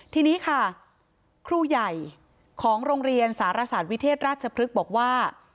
ทีนี้ค่ะครูใหญ่ของโรงเรียนสารศาสตร์วิเทศราชพฤกษ์บอกว่า